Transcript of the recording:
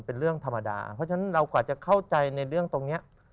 เป็นเรื่องธรรมดาเพราะฉะนั้นเรากว่าจะเข้าใจในเรื่องตรงนี้